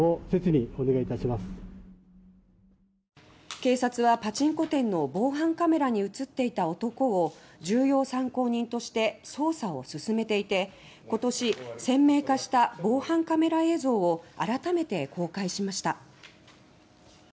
警察はパチンコ店の防犯カメラに映っていた男を重要参考人として捜査を進めていて今年、鮮明化した防犯カメラ映像を改めて公開しました。